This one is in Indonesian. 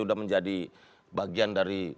udah menjadi bagian dari